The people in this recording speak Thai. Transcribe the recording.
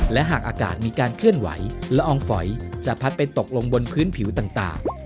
และหากอากาศมีการเคลื่อนไหวละอองฝอยจะพัดไปตกลงบนพื้นผิวต่าง